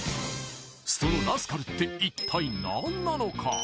そのラスカルって一体何なのか？